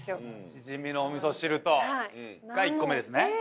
しじみのお味噌汁とが１個目ですね